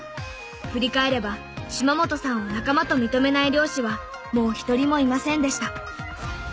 振り返れば島本さんを仲間と認めない漁師はもう一人もいませんでした。